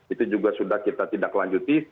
itu juga sudah kita tindak lanjuti